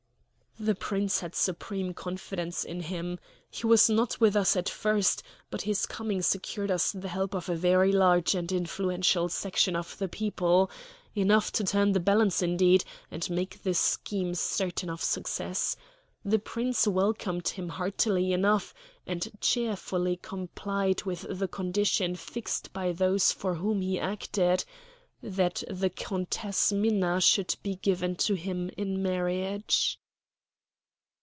"The Prince had supreme confidence in him. He was not with us at first; but his coming secured us the help of a very large and influential section of the people enough to turn the balance, indeed, and make the scheme certain of success. The Prince welcomed him heartily enough, and cheerfully complied with the condition fixed by those for whom he acted that the Countess Minna should be given to him in marriage."